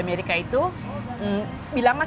yang terlalu banyak